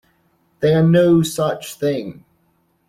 They are no such thing.